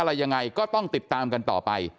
อะไรยังไงก็ต้องติดตามกันต่อไป